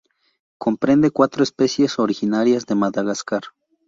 Comprende cuatro especies originarias de Madagascar.